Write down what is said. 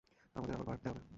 আমাদের আবার ভাবতে হবে।